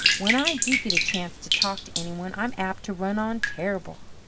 "When I do get a chance to talk to anyone I'm apt to run on terrible."